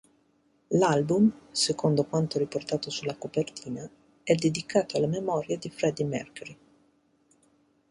L'album, secondo quanto riportato sulla copertina, è dedicato alla memoria di Freddie Mercury.